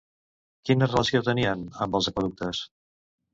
Quina relació tenien amb els aqüeductes?